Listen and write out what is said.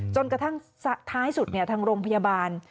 จนกระทั้งสักท้ายสุดเนี่ยทางโรงพยาบาล